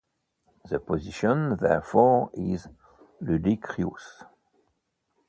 The position, therefore, is ludicrous.